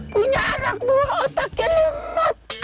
punya anak buah otaknya lemot